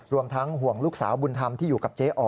รวมทั้งห่วงลูกสาวบุญธรรมที่อยู่กับเจ๊อ๋อ